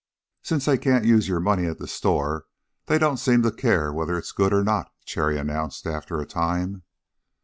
"Since they can't use your money at the store, they don't seem to care whether it is good or not," Cherry announced, after a time.